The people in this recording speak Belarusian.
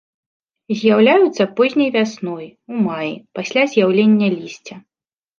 З'яўляюцца позняй вясной, у маі, пасля з'яўлення лісця.